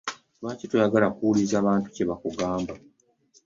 Lwaki toyagala kuwuliriza bantu kyebakugamba?